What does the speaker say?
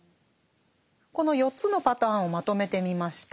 この４つのパターンをまとめてみました。